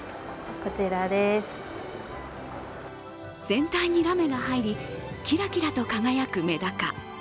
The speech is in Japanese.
全体にラメが入り、キラキラと輝くメダカ。